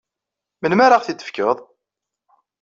Melmi ara aɣ-t-id-tefkeḍ?